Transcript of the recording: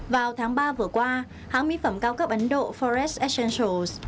vào tháng ba vừa qua hãng mỹ phẩm cao cấp ấn độ forest essentials